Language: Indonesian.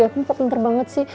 aloh kita pintar banget sih